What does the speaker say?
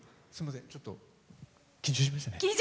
ちょっと緊張しました。